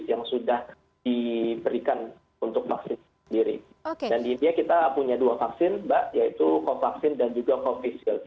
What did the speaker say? dan di india kita punya dua vaksin mbak yaitu covaxin dan juga covixil